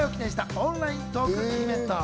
オンライントークイベント。